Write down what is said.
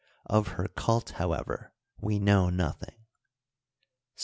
Of her cult, however, we know nothing.